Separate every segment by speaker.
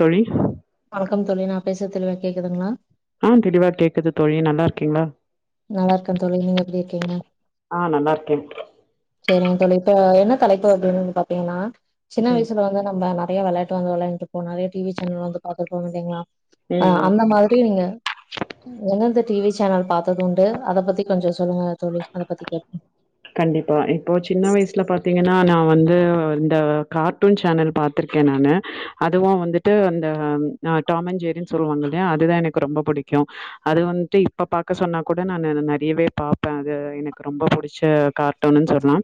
Speaker 1: தோழி
Speaker 2: வணக்கம் தோழி நா பேசுறது தெளிவா கேக்குதுங்களா
Speaker 1: ஆ தெளிவா கேக்குது தோழி நல்லாருக்கீங்களா
Speaker 2: நல்லா இருக்கே தோழி நீங்க எப்டி இருக்கீங்க
Speaker 1: ஆ நல்லாருக்கே
Speaker 2: செரிங் தோழி இப்ப என்ன தலைப்பு அப்டின் வந்து பாத்தீங்கன்னா சின்ன
Speaker 1: ம்
Speaker 2: வயசு வந்து நம்ம நெறைய வெளாட்டு வந்து வெளாண்டுருப்போ நெறைய டி வி சேனல்லா வந்து பாத்திருப்போ இல்லைங்ளா அ
Speaker 1: ம் ம்
Speaker 2: அந்த மாத்ரி நீங்க எந்தெந்த டி வி சேனல் பாத் த்ததுண்டு அத பத்தி கொஞ்சோ சொல்லுங்க தோழி அத பத்தி கேட்போ
Speaker 1: கண்டிப்பா இப்போ சின்ன வயசுல பாத்தீங்கனா நா வந்து இந்த கார் டூன்சேனல் பாத்திருக்கே நானு அதுவு வந்துட்டு அந்த அ டாம் அண் ஜெர்ரின் சொல்லுவாங்க இல்லையா அதுதா எனக்கு ரொம்ப புடிக்கு அது வந்துட்டு இப்ப பாக்க சொன்னா கூட நானு நெறையவே பாப் இப்ப அது எனக்கு ரொம்ப புடிச்ச கார்ட்டூன்னு சொல்லலா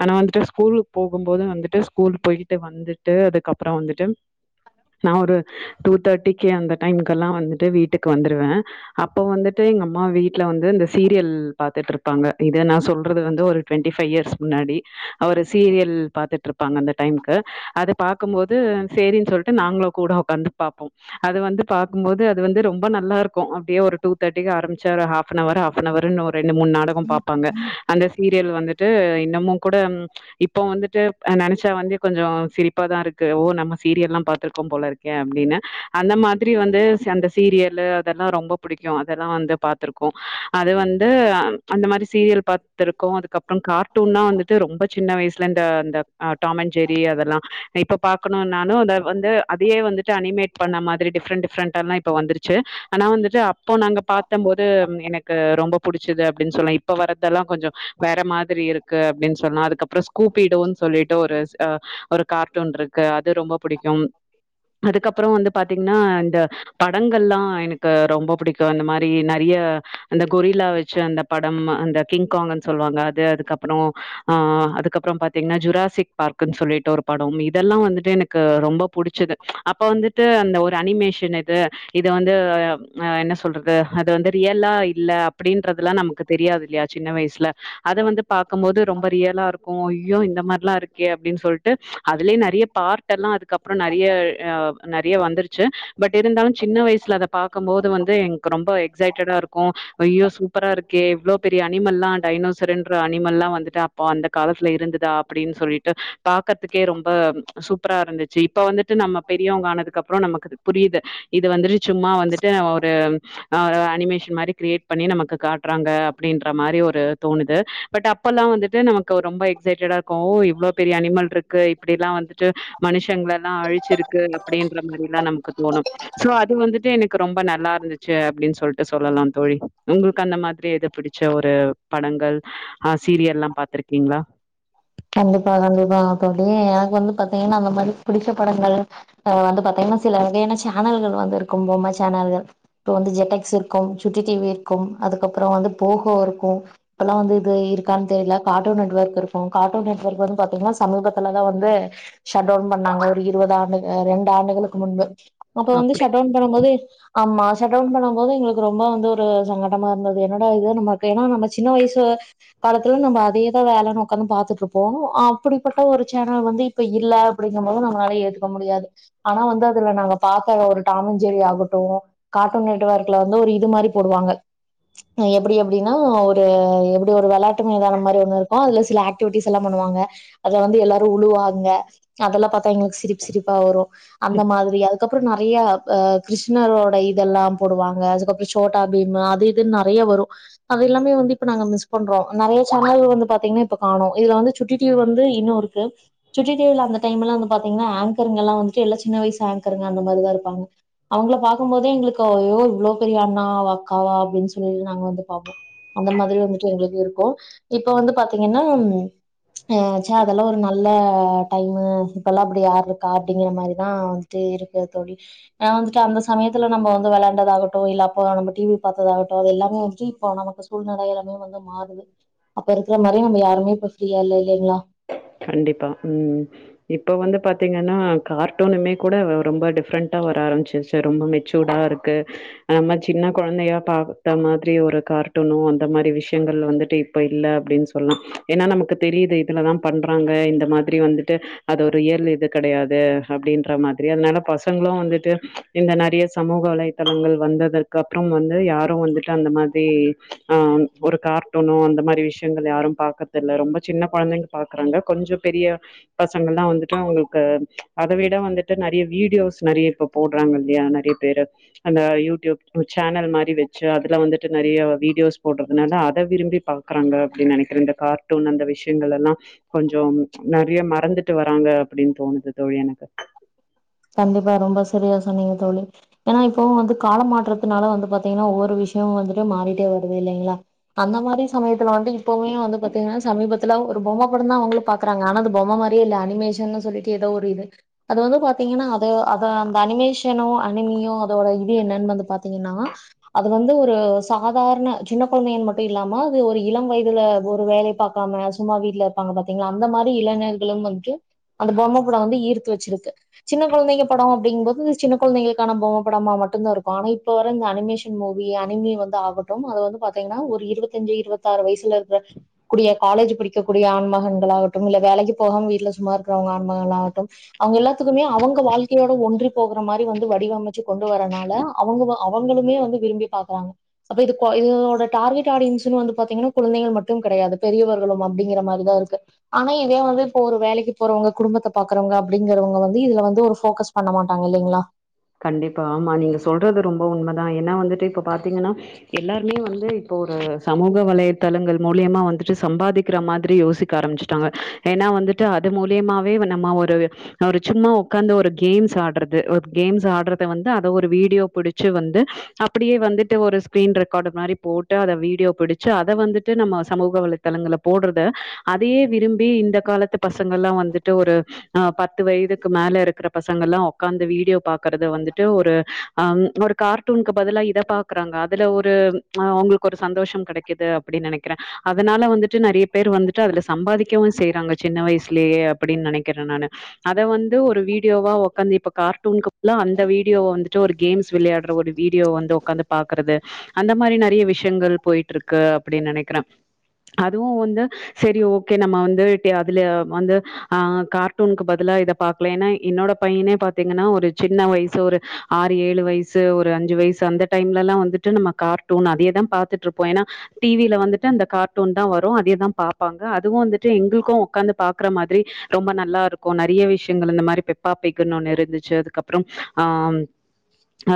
Speaker 1: ஆனா வந்துட்டு ஸ்கூலுக்கு போகும்போது வந்துட்டு ஸ்கூல் போய்ட்டு வந்துட்டு அதுக்கப்றோ வந்துட்டு நா ஒரு டூ தேட்டிக்கு அந்த டைமுகெல்லா வந்துட்டு வீட்டுக்கு வந்துருவே அப்போ வந்துட்டு எங்க அம்மா வீட்ல வந்து இந்த சீரியல் பாத்துட்ருப்பாங்க இத நா சொல்றது வந்து ஒரு டுவெண்டி பை இயர்ஸ் முன்னாடி அவரு சீரியல் பாத்துட்ருப் பாங்க அந்த டைமக்கு அத பாக்கு போது சேரின் சொல்ட்டு நாங்களு கூட உக்காந்து பாப்போ அது வந்து பாக்கும்போது அது வந்து ரொம்போ நல்லாருக்கு அப்டியே ஒரு டூ தேட்டிக்கு ஆரம்பிச்ச half an hour half an ஹவர்னு ஒ ரு ரெண்டு மூணு நாடகோ பாப்பாங்க அந்த சீரியல் வந்துட்டு இன்னமு கூட இப்போ வந்துட்டு் நெனைச்சா வந்து கொஞ்சோ சிரிப்பாதா இருக்கு ஓ நம்ம சீரியல்ல்லா பா்த்திருக்கோ போல இருக் கே அப்டீனு அந்த மாத்ரி வந்து அந்த சீரியலு அதெல்லா ரொம்போ புடிக்கு அதெல்லா வந்து பா த்துருக்கோ அது வந் து அந்த மாரி சீரியல் பாத்திருக்கோ அதுக்கப்றம் கார்ட்டூன்னா வந்துட்டு ரொம்ப சின்ன வயசுல இந்த அந்த அ டாம் அண் ஜெரி அதெல்லா இப்ப பாக்கணுனானு அத வந்து அதயே வந்துட்டு அனிமேட் பண்ண மாத்ரி டிஃப்ரெண்ட் டிஃப்ரெண்டல்லா இப்ப வந்துருச்சு ஆனா வந்துட்டு அப்போ நாங்க பாத்தம்போது எனக்கு ரொம்ப புடிச்சது அப்டின் சொல்லா இப்ப வரதெல்லா கொஞ்சோ வேற மாத்ரி இருக்கு அப்டின் சொன்னா அதுக்கப்றோ ஸ்கூப்பிடோன் சொல்லிட்டு ஒரு அ ஒரு கார்ட்டூன் இருக்கு அது ரொம்ப புடிக்கும் அதுக்கப்பறோ வந்து பாத்தீங்ன்னா இந்த படங்கள்ல்லா எனக்கு ரொம்போ புடிக்கு இந்த மாரி நெறைய அந்த கொரி ல்லா வெச்சு அந்த படம் அந்த கிங்காங்ன்னு சொல்லுவாங்க அது அதுக்கப்றோ அ அதுக்கப்றம் பாத் தீங்ன்னா ஜுராசிக் பார்க்கன் சொல்லிட்டு ஒரு படம் இதெல்லா வந்துட்டு எனக்கு ரொம்போ புடிச்சிது அப்போ வந்துட்டு அந்த ஒரு அனிமேஷன் இது இது வந்து அ என்ன சொல்றது அது வந்து ரியல்லா இல்ல அப்டின்றதெல்லா நமக்கு தெரியாது இல்லையா சின்ன வயசில அத வந்து பாக்கும்போது ரொம்ப ரியலா இருக் கு அய்யோ இந்த மாரிலா இருக் கே அப்டின் சொல்ட்டு அதுலயே நெறையா பார்டெல்லா அதுக்கப்றோ நெறைய ஆ நெறைய வந்துருச்சு பட் இருந்தாலு சின்ன வயசுல அத பா பாக்கும்போது வந்து எனக்கு ரொம்ப எக்ஸைட்டடா இருக்கு அய்யோ சூப் பரா இருக்கே இவ்ளோ பெரிய அனிமல்லா டைனோசர்ன்ற அனிமல்லா வந்துட்டு அப்போ அந்த காலத்துல இருந்ததா அப்டின் சொல்லி ட்டு பாக்கற்த்துக்கே ரொம்ப சூப்பரா இருந்துச்சு இப்ப வந்துட்டு நம்ம பெரியவங்க ஆனதுக்கப்றோ நமக்கு இது புரியிது இது வந்துட்டு சும்மா வந்து ட்டே ஒரு அ ஒரு அனிமேஷன் மாரி கிரியேட் பண்ணி நமக்கு காட்றாங்க அப்டின்ற மாரி ஒரு தோணுது பட் அப்பல்லா வந்துட்டு நமக்கு ரொம்ப எக்சைட்டடா இரு க்கோ இவ்ளோ பெரிய அனிமல் இருக்கு இப்டில்லா வந்துட்டு மனுஷங்கள எல்லா அழிச்சிருக்கு அப்டின்ற மாரிலா நமக்கு தோணும் சோ அது வந்துட்டு எனக்கு ரொம்ப நல்லா இருந்துச்சு அப்டின் சொல்ட்டு சொல்லாம் தோழி உங்களுக்கு அந்த மாத்ரி எது பிடிச்ச ஒரு படங்கள் ஆ சீரியல்லா பாத்துருக்கீங்ளா
Speaker 2: கண்டிப்பா கண்டிப்பா தோழி எனக்கு வந்து பாத்தீங்ன்னா அந்த மாரி பிடிச்ச படங்கள் அ வந்து பாத்தீங்கன்னா சில வகையான சேனல்கள் வந்து இருக்கும் பொம்ம சேனல்கள் இப்போ வந்து ஜெட்டக்ஸ் இருக்கும் சுட்டி டி வி இருக்கும் அதுக்கப்பறோ வந்து போகோ இருக்கும் இப்பல்லா வந்து இது இருக்கான்னு தெரியல கார்ட்டூன் நெட்ஒர்க் இருக்கும் கார்டூன் நெட்வர்க் வந்து பாத்தீங்கன்னா சமீபத்தில்லதா வந்து ஷட் அவுன் பண்ணாங்க ஒரு இருபது ஆண்டு ரெண்டு ஆண்டுகளுக்கு முன்பு அப்ப வந்து
Speaker 1: அப்டி.
Speaker 2: ஷட்டவுன் பண்ணும்போது ஆமா ஷூட்டவுன் பண்ணம் போது எங்களுக்கு ரொம்ப வந்து ஒரு சங்கட்டமா இருந்தது என்னடா இது நமக்கு ஏன்னா நம்ம சின்ன வயசுல காலத்துல நம்ப அதே தா வேலன்னு உக்கந்து பாத்துட்டு இருப்போ அப்படிப்பட்ட ஒரு சேனல் வந்து இப்ப இல்ல அப்படிங்கம் போது நம்மளாள ஏத்துக்க முடியாது ஆனா வந்து அதுல நாங்க பாத்த ஒரு டாமஞ்சேரி ஆகட்டும் கார்டூன் நெட்வர்க்ல வந்து ஒரு இது மாரி போடுவாங்க எப்டி எப்டின்னா ஒரு எப்டி ஒரு வெளாட்டு மைதானம் மாரி ஒண்ணு இருக்கும் அதுல சில ஆக்டிவிட்டிஸ் எல்லா பண்ணுவாங்க அதுல வந்து எல்லாரும் உழுவாங்க அதெல்லா பாத்தா எங்களுக்கு சிரிப்பு சிரிப்பா வரும் அந்த மாதிரி அதுக்கப் ப்றோ நறையா கிருஷ்ணரோட இதெல்லாம் போடுவாங்க அதுக்கப்றோ சோட்டா பீம் அது இதுன்னு நறைய வரும் அது எல்லாமே வந்து இப்ப நாங்க மிஸ் பண்றோ நறைய சேனல்கள் வந்து பாத்தீங்கன்னா இப்ப காணோ இதுல வந்து சுட்டி டீ வி வந்து இன்னும் இருக்கு சுட்டி டிவி ல அந்த டைம்ல்லா வந்து பாத்தீங்கன்னா ஆங்கருங்கல்லா வந்துட்டு எல்லா சின்ன வயசு ஆங்கருங்க அந்த மாரிதா இருப்பாங்க அவங்கள பாக்கும்போதே எங்களுக்கு யோ இவ்வளோ பெரிய அண்ணாவ அக்காவா அப்டின்னு சொல்லிட்டு நாங்க வந்து பாப்போ அந்த மாதிரி வந்துட்டு எங்களுக்கு இருக்கும் இப்ப வந்து பாத்தீங்கன்னா ம் ஆ ச்ச அதெல்லா ஒரு நல்ல டைமு இப்ப எல்லா அப்படி யாரு இருக்கா அப்படிங்கிற மாரிதா ட்டு இருக்கு தோழி நா வந்துட்டு அந்த சமயத்துல நம்ப வந்து வெளாண்டதாகட்டு இல்ல அப்ப அ நம்ப டிவி பார்த்ததாகட்டு அது எல்லாமே வந்துட்டு இப்போ நமக்கு சூழ்நெல எல்லாமே வந்து மாறுது அப்ப இருக்குற மாரி நம்ம யாருமே இப்ப ஃப்ரீயா இல்ல இல்லைங்ளா
Speaker 1: கண்டிப்பா ம் இப்ப வந்து பாத்திங்கன்னா கார்ட்டூனுமே கூட ரொம்ப டிஃப்ரண்ட்டா வர ஆரம்ச்சிச் ரொம்ப மெச்சூடாருக்கு நம்ம சின்ன கொழந்தையா பாத்த மாத்ரி ஒரு கார்ட்டுனோ அந்த மாரி விஷ்யங்கள் வந்துட்டு இப்ப இல்ல அப்டின் சொல்லி ஏன்னா நமக்கு தெரியுது இதுலதா பண்றாங்க இந்த மாத்ரி வந்துட்டு அது ஒரு ஏர்லி இது கெடையாது அப்டின்ற மாத்ரி அதனால பசங்களு வந்துட்டு இந்த நறய சமூக வலைதளங்கள் வந்ததக் அப்றோ வந்து யாரு வந்துட்டு அந்த மாரி ஆ ஒரு கார்ட்டூனோ அந்த மாரி விஷ்யங்கள் யாரும் பாக்றதில்ல ரொம்ப சின்னப் கொழந்தைங்க பாக்குறாங்க கொஞ்சப் பெரிய பசங்கல்லா வந்துட்டு அவங்ளுக்கு அத விட வந்துட்டு நெறிய வீடியோஸ் நெறிய இப்ப போட்றாங்கல்லயா நெறயப் பேரு அந்த யூட்யூப் சேனல் மாரி வெச்சு அதுல வந்துட்டு நெறிய வீடியோஸ் போட்றதுனால அத விரும்பிப் பா குறாங்க அப்டின் நெனைக்குற இந்த கார்ட்டூன் அந்த விஷ் எங்களல்லா கொஞ்சோ நிறைய மறந்துட்டு வராங்க அப்டின்னு தோணுது தோழி எனக்கு
Speaker 2: கண்டிப்பா ரொம்ப சரியா சொன்னிங்க தோழி ஏன்னா இப்பவும் வந்து காலமாற்றத்துனால வந்து பாத்தீங்கன்னா ஒவ்வொரு விஷயமும் வந்துட்டு மாறிட்டே வருது இல்லைங்களா அந்த மாதிரி சமயத்துல வந்து இப்பம வந்து பாத்தீங்கன்னா சமீபத்துல ஒரு பொம்ம படந்தா அவங்களு பாக்க குறாங்க ஆனா அது பொம்ம மாறியே இல்ல அனிமேஷன்னனு சொல்லிட்டு ஏதோ ஒரு இது அது வந்து பா பாத்தீங்கன்னா அது அத அந்த அனிமேஷனோ அனிமியோ அதோட இது என்னன்னு வந்து பாத்தீங்கன்னா அது வந்து ஒரு சாதாரண சின்ன கொழந்தைங்க மட்டு இல்லாம அது ஒரு இளம் வயதுல ஒரு வேலை பாக் க்காம சும்மா வீட்டுல இருப்பாங்க பாத்தீங்களா அந்த மாரி இளைஞர்களும் வந்துட்டு அந்த பொம்ம படோ வந்து ஈர்த்து வச்சுருக்கு சின்ன கொழந்தைங்க படோ அப்டிங்போது சின்ன கொழந்தைகளுக்கான பொம்மப் படமா மட்டுந்தா இருக்கு ஆன இப்ப வர்ற இந்த அனிமேஷ் மூவி அனிமி வந்து ஆகட்டும் அது வந்து பாத்திங்கன்னா ஒரு இருவத்தஞ்சு இருவத்தாரு வயசுல இருக்குற கூடிய காலேஜ் படிக்க கூடிய ஆண் மகன்களாகட்டும் இல்ல வேலக்கி போகாம வீட்ல சும்மாருக்குறவுங்க ஆண் மகனாலாகட்டும் அவுங்க எல்லாத்துக்குமே அவங்க வாழ்க்கையோட ஒன்றி போகுற மாறி வந்து வடிவமச்சு கொண்டு வர்றனால அவுங்க வா அவங்களுமே வந்து விரும்பி பாக்குறாங்க அப்ப இது கொ இதோட டார்கெட் ஆடியன்ஸ்ஸுன்னு வந்து பாத்திங்கன்னா கொழந்தைகள் மட்டும் கெடையாது பெரியவர்களும் அப்டிங்கிற மாறிதா இருக்கு ஆனா இதே வந்து இப்ப ஒரு வேலைக்கு போறவுங்க குடும்பத்த பாக்குறவுங்க அப்டிங்கிறவுங்க வந் தி இதுல வந்து ஒரு ஃபோக்கஸ் பண்ண மாட்டாங்க இல்லைங்களா
Speaker 1: கண்டிப்பா ஆமா நீங்க சொல்றது ரொம்ப உண்மதா ஏன்னா வந்துட்டு இப்ப பாத்திங்கன்னா எல்லாருமே வந்து இப்போ ஒரு சமூக வலைத்தளங்கள் மூலியமா வந்துட்டு சம்பாதிக்குற மாதிரி யோசிக்க ஆரம்பிச் சுட்டாங்க ஏன்னா வந்துட்டு அது மூலியமாவே வன் நம்ம ஒரு ஆ ஒரு சும்மா ஒக்காந்து ஒரு கேம்ஸ் ஆட்றது ஒரு கேம்ஸ் ஆட்றத வந்து அத ஒரு வீடியோப் புடிச்சு வந்து அப்டியே வந்துட்டு ஒரு ஸ்க்ரீன் ரெக்கார்டர் மாறிப் போட்டு அத வீடியோ புடிச்சு அத வந்துட்டு நம்ம சமூக வலைத் தலங்கல்ல போட்றத அதையே விரும்பி இந்த காலத்து பசங்கல்லா வந்துட்டு ஒரு அ பத்து வயதுக்கு மேல இருக்குற பசங்கல்லா ஒக்காந்து வீடியோப் பாக்கறது வந்துட்டு ஒரு அம் ஒரு கார்ட்டூன்க்கு பதுலா இத பாக்குறாங்க அதுல ஒரு ம அவுங்களுக்கு ஒரு சந்தோஷம் கெடைக்கிது அப்டின் நெனைக்கிறே அதுனால வந்துட்டு நெறையாப் பேரு வந்துட்டு அதுல சம்பாதிக்கவு செய்றாங்க சின்ன வய்ஸ்லேயே அப்டின் நெனைக்கிறே நானு அத வந்து ஒரு வீடியோவா ஒக்காந்து இப்ப கார்ட்டூன்க்கு ல்லா அந்த வீடியோவ வந்துட்டு ஒரு கேம்ஸ் விளையாட்ற ஒரு வீடியோ வந்து ஒக்காந்து பாக்குறது அந்த மாறி நெறைய விஷ்யங்கள் போய்ட்ருக்கு அப்டின் நெனைக்குறே அதுவு வந்து சேரி ஓக்கே நம்ம வந்து டி அதுல வந்து ஆ கார்ட்டூனுக்கு பதுலா இத பாக்லே ஏன்னா என்னோட பைய்யனே பாத்திங்கன்னா ஒரு சின்ன வய்சு ஒரு ஆறு ஏழு வய்சு ஒரு அஞ்சு வய்சு அந்த டைம்லெல்லா வந்துட்டு நம்ம கார்ட் டூன் அதையே தா பாத்துட்ருப்போ ஏன்னா டிவில வந்துட்டு அந்த கார் டூன் தா வரு அதையேதா பாப்பாங்க அதுவு வந்துட்டு எங்குள்கோ ஒக்காந்து பாக்குற மாதிரி ரொம்ப நல்லாருக்கு நெறையா விஷ்யங்கள் அந்த மாறி பெப்பாப் பிக்குன்னுன்னு இருந்துச்சு அதுக் ஆம்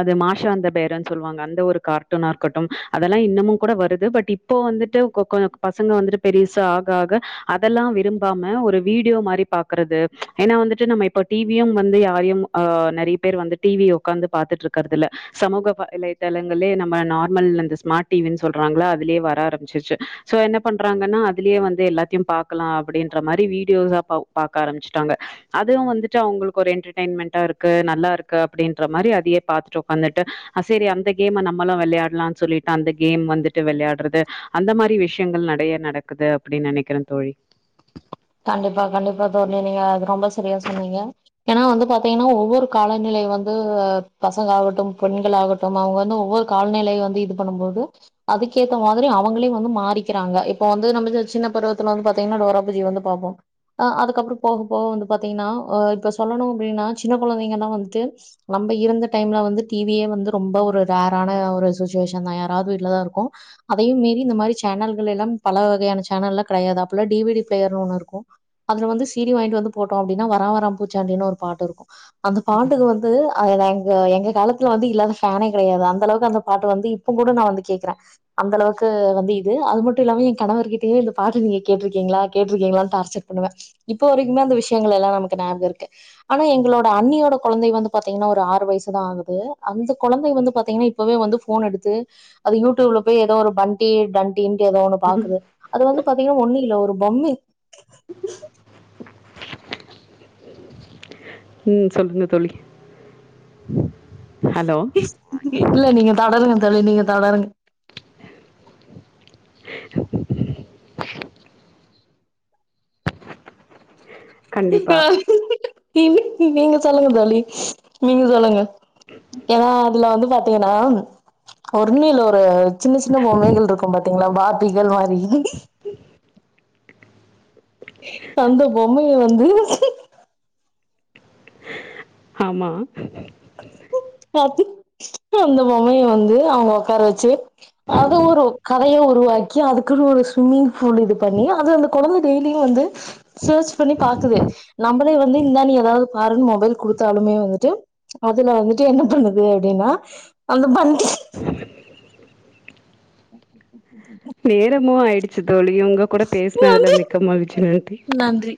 Speaker 1: அது மாஷா அந்த பேருன் சொல்வாங்க அந்த ஒரு கார்ட்டூனா இருக்கட்டும் அதெல்லா இன்னமும் கூட வருது பட் இப் இப்போ வந்துட்டு கொ கொஞ்ச பசங்க வந்துட்டு பெரிசா ஆக ஆக அதல்லா விரும்பாம ஒரு வீடியோ மாரி பாக்குறது ஏன்னா வந்துட்டு நம்ம இப்ப டிவியும் வந்து யாரையும் ஆ நெறைய பேர் வந்து டிவிய உக்காந்து பாத்துட்ருக்கறதுல்ல சமூக வலைதளங்களே நம்ம நார்மல் அந்த ஸ்மார்ட் டிவின் சொல்றாங்களா அதுலியே வர ஆரம்பிச்சிருச்சு சோ என்ன பண்றாங்கன்னா அதுலையே வந்து எல்லாத்தியு பாக்கலா அப்டின்ற மாரி வீடியோஸா பா பாக்க ஆரம்பிச்சுட்டாங்க அதுவு வந்துட்டு அவுங்களுக்கு ஒரு என்டர்டெய்ன்மெண்ட் டா இருக்கு நல்லாருக்கு அப்டின்ற மாரி அதுயே பாத்துட்டு உக்காந்துட்டு அ சேரி அந்த கேம்ம நம்மளு வெளயாட்லான் சொல்லிட்டு அந்த கேம் வந்துட்டு வெளையாட்றது அந்த மாரி விஷயங்கள் நெடையா நடக்குது அப்டி நெனைக்கிறே தோழி
Speaker 2: கண்டிப்பா கண்டிப்பா தோழி நீங்க அது ரொம்ப சரியா சொன்னீங்க ஏன்னா வந்து பாத்தீங்கனா ஒவ்வொரு காலநிலை வந்து பசங்களாகட்டும் பெண்களாகட் டும் அவுங்க வந்து ஒவ்வொரு காலநிலை வந்து இது பண்ணும் போது அதுக்கேத்த மாதிரி அவங்களே வந்து மாறிக்கிறாங்க இப்ப வந்து நம்பள்தேது சின்ன பருவத்துல வந்து பாத்திங்கன்னா டோரா புஜ்ஜி வந்து பாப்போம் அ அதுக்கப்றோ போக போக வந்து பாத்திங்கன்னா ஆ இப்ப சொல்லணு அப்டின்னா சின்ன கொழந்தைங்கல்லா வந்துட்டு நம்ப இருந்த டைம்ல வந்து டிவியே வந்து ரொம்ப ஒரு ரேரான ஒரு சுஷ்ஷுவேஷன் தா யாராது வீட்லதாருக்கோ அதையும் மீறி இந்த மாறி சேனல்கள் எல்லாம் பல வகையான சேனல்ல்லாம் கெடயாது அப்புல்லா டீவிடி ப்ளேயர்ன் ஒண்ணுருக்கும் அதுல வந்து சீடி வாய்ன்ட்டு வந்து போட்டோ அப்டின்னா வரான் வரான் பூச்சான்டினு ஒரு பாட்டுருக்கு அந்த பாட்டுக்கு வந்து எங்க எங்க காலத்துல வந்து இல்லாத ஃபேனே கெடையாது அந்த அளவுக்கு அந்த பாட்டு வந்து இப்ப கூட நா வந்து கேக்குற அந்த அளவுக்கு வந்து இது அது மட்டு இல்லாம என் கணவர்கிட் ட்டயே இந்த பாட்டு நீங்க கேட்ருக்கீங்களா கேட்டிருக்கீங்களான் டார்ச்சர் பண்ணுவ இப்போ வரிக்குமே அந்த விஷயங்களெல்லா நமக்கு ஞாபகருக்கு ஆனா எங்களோட அண்ணியோட கொழந்தை வந்து பாத்தீங்கன்னா ஒரு ஆறு வயிசுதா ஆகுது அந்த கொழந்தை வந்து பாத்தீங்கன்னாப் இப்பவே வந்து போன் எடுத்து அது யூடியூப்ல போய் ஏதோ ஒரு பண்டி டன் டினு ஏதோ ஒண்ணு பாக்குது அது வந்து பாத்தீங்னா ஒன்னு இல்ல ஒரு பொம்மி
Speaker 1: ம் சொல்லுங்க தோழி ஹலோ
Speaker 2: இல்ல நீங்க தொடருங்க தோழி நீங்க தொடருங்
Speaker 1: கண்டிப்பா
Speaker 2: நீங்க சொல்லுங்க தோழி நீங்க சொல்லுங்க ஏனா அதுல வந்து பாத்திங்கன்னா ஒண்ணு இல்ல ஒரு சின்ன சின்ன பொம்மைகள்ருக்கு பாத்தீங்களா பார்பிகள் மாரி அந்த பொம்மய வந்து
Speaker 1: ஆமா
Speaker 2: பாத்து அந்த பொம்மைய வந்து அவங்க ஒக்கார வச்சு அது ஒரு கதயா உருவாக்கி அதுக்குன்னு ஒரு ஸ்விம்மிங் பூல் இது பண்ணி அது அந்த கொழந்த டெய்லியு வந்து சர்ச் பண்ணி பாக்குது நம்பளே வந்து இந்தா நீ ஏதாது பாருன் மொபைல் குடுத்தாலுமே வந்துட்டு அதுல வந்துட்டு என்ன பண்ணுது அப்டின்னா அந்த பண்ட்டி
Speaker 1: நேரமு ஆயிடுச்சி தோழி உங்க கூட பேசுனதுல
Speaker 2: நன்றி
Speaker 1: மிக்க மகிழ்ச்சி நன்றி
Speaker 2: நன்றி